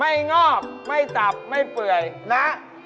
งอกไม่ตับไม่เปื่อยนะ